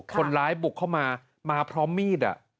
คนร้ายบุกเข้ามามาพร้อมมีด